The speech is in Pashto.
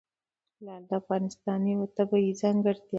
لعل د افغانستان یوه طبیعي ځانګړتیا ده.